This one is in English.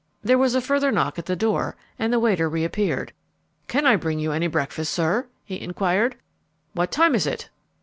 There was a further knock at the door, and the waiter reappeared. "Can I bring you any breakfast, sir?" he enquired. "What time is it?"